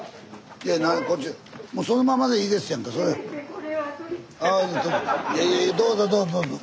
いやいやどうぞどうぞどうぞ。